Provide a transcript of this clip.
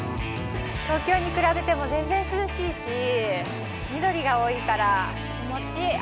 東京に比べても全然涼しいし緑が多いから気持ちいい。